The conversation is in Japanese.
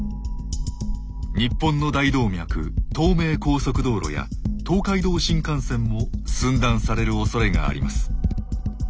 日本の大動脈東名高速道路や東海道新幹線も寸断されるおそれがあります。